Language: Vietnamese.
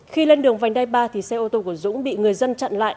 khi lên đường vành đai ba thì xe ô tô của dũng bị người dân chặn lại